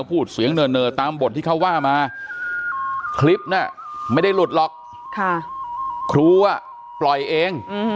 พูดเสียงเนอตามบทที่เขาว่ามาคลิปน่ะไม่ได้หลุดหรอกครูปล่อยเอง